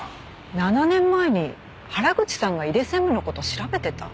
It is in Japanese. ７年前に原口さんが井出専務の事を調べてた？